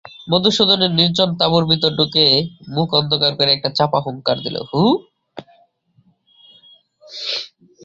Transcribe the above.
মধুসূদন নির্জন তাঁবুর ভিতর ঢুকে মুখ অন্ধকার করে একটা চাপা হুংকার দিলে–হুঁ।